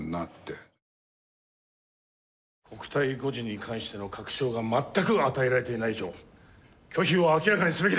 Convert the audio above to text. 国体の護持に関しての確証がまったく与えられていない以上拒否を明らかにすべきです。